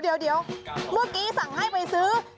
เมื่อกี้สั่งให้ไปซื้อ๙๒๕